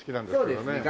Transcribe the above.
そうですね。